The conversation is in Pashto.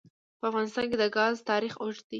په افغانستان کې د ګاز تاریخ اوږد دی.